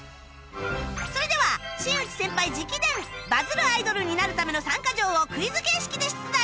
それでは新内先輩直伝バズるアイドルになるための３カ条をクイズ形式で出題